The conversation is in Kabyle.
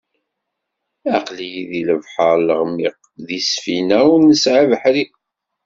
Aql-i di lebḥer leɣmiq, di ssfina ur nesɛi abeḥri.